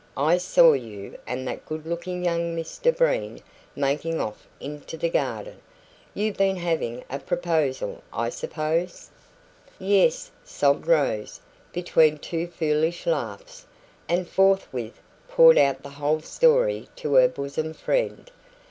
I saw you and that good looking young Mr Breen making off into the garden. You've been having a proposal, I suppose?" "Yes," sobbed Rose, between two foolish laughs, and forthwith poured out the whole story to her bosom friend.